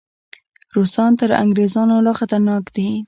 روسان تر انګریزانو لا خطرناک دي.